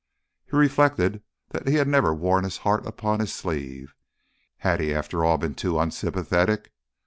He reflected that he had never worn his heart upon his sleeve. Had he after all been too unsympathetic?